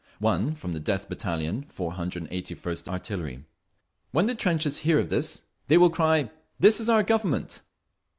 One from the Death Battalion, Four Hundred Eighty first Artillery: "When the trenches hear of this, they will cry, 'This is our Government!